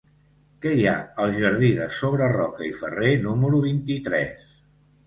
Què hi ha al jardí de Sobreroca i Ferrer número vint-i-tres?